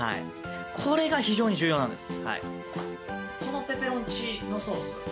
これが非常に重要なんです。